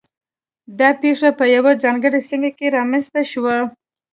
دا پېښه په یوه ځانګړې سیمه کې رامنځته شوه